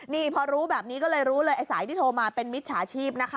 นี่พอรู้แบบนี้ก็เลยรู้เลยไอ้สายที่โทรมาเป็นมิจฉาชีพนะคะ